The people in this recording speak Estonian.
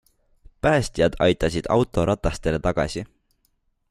Päästjad aitasid auto ratastele tagasi.